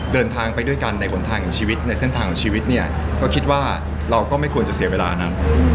เดินทางไปด้วยกันในหนทางของชีวิตในเส้นทางชีวิตเนี่ยก็คิดว่าเราก็ไม่ควรจะเสียเวลานั้น